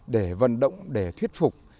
để vận động để thuyết phục